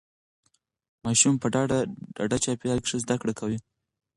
ماشوم په ډاډه چاپیریال کې ښه زده کړه کوي.